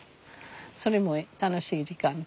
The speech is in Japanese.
それも楽しい時間とか。